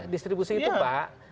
distribusi itu pak